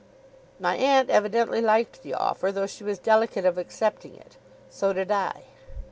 My aunt evidently liked the offer, though she was delicate of accepting it. So did I.